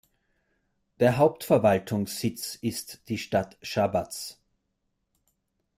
Der Hauptverwaltungssitz ist die Stadt Šabac.